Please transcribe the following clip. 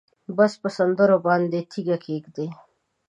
بس په سندرو باندې تیږه کېږده